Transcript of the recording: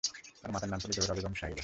তার মাতার নাম ছিল জোহরা বেগম সাহিবা।